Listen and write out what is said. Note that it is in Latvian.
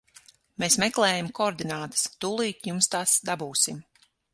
Mēs meklējam koordinātas, tūlīt jums tās dabūsim.